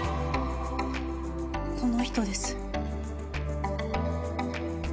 この人です